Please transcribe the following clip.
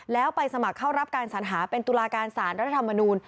แล้วไปสมัครเข้ารับการสัญหาเป็นตุลาการสารรัฐธรรมนูล